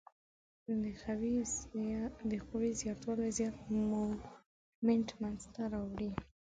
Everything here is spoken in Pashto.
د قوې زیات والی زیات مومنټ منځته راوړي.